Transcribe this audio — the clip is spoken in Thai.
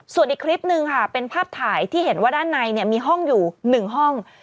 ส่วนอีกคลิปนึงค่ะเป็นภาพถ่ายที่เห็นว่าด้านในมีห้องอยู่๑ห้อง